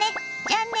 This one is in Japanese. じゃあね。